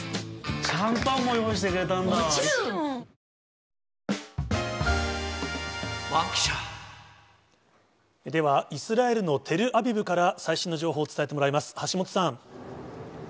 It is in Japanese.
この問題、では、イスラエルのテルアビブから最新の情報を伝えてもらいます。